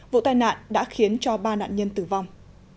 vụ tai nạn đã khiến cho ba nạn nhân tử vong